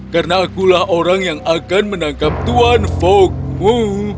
karena akulah orang yang akan menangkap tuan fogmu